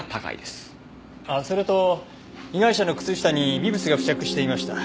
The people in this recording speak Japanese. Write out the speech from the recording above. ああそれと被害者の靴下に微物が付着していました。